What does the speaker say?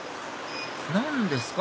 何ですか？